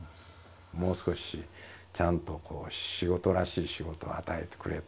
「もう少しちゃんと仕事らしい仕事を与えてくれ」と。